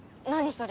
それ。